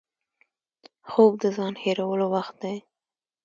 خوب د ځان هېرولو وخت دی